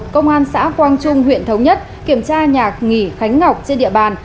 công an xã quang trung huyện thống nhất kiểm tra nhà nghỉ khánh ngọc trên địa bàn